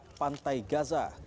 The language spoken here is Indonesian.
dekat pantai gaza